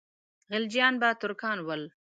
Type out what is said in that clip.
خلجیان به ترکان ول.